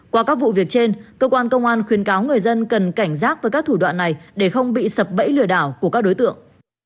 qua các vụ việc trên cơ quan công an khuyến cáo người dân cần cảnh giác với các thủ đoạn này để không bị sập bẫy lừa đảo của các đối tượng